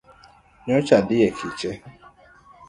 Nyocha adhi e kiche.